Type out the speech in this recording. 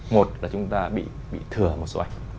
một là chúng ta bị thừa một số ảnh